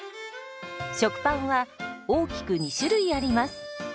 食パンは大きく２種類あります。